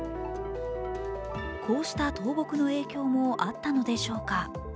こうした倒木の影響もあったのでしょうか。